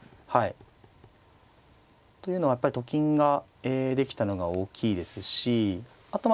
というのはやっぱりと金ができたのが大きいですしあとま